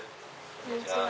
こんにちは。